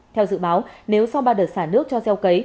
theo dự báo nếu sau ba đợt xả nước cho gieo cấy